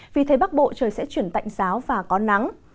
vì thế bắc bộ trời sẽ chuyển tạnh giáo và có nắng